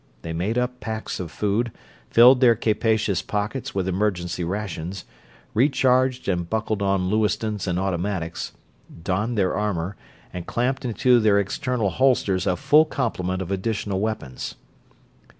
They made up packs of food, filled their capacious pockets with emergency rations, recharged and buckled on Lewistons and automatics, donned their armor, and clamped into their external holsters a full complement of additional weapons.